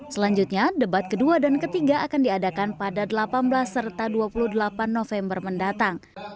selanjutnya debat kedua dan ketiga akan diadakan pada delapan belas serta dua puluh delapan november mendatang